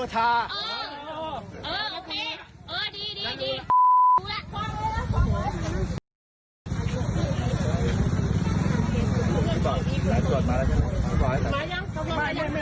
พ่อชื่ออะไรล่ะประโยชน์ตำรวจชาติเออเออโอเคเออดีดีดี